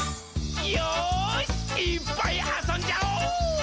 よーし、いーっぱいあそんじゃお！